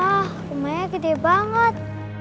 wah rumahnya gede banget